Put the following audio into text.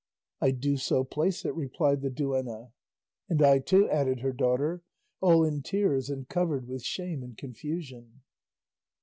"I do so place it," replied the duenna. "And I too," added her daughter, all in tears and covered with shame and confusion.